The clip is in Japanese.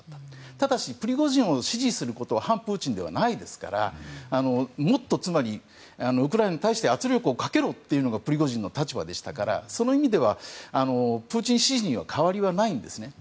ただし、プリゴジンを支持することは反プーチンではないですからもっと、ウクライナに対して圧力をかけろというのがプリゴジンの立場でしたからその意味ではプーチン支持には変わりはないんですね。